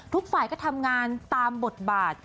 ทุกฝ่ายก็ทำงานตามบทบาท